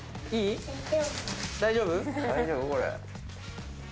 いいいい、大丈夫？